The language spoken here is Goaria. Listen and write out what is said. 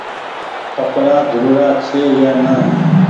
ڪپڙآ ڌوڙاڙا ڇي يا نآ